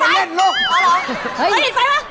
เห้ยหยิดไฟมา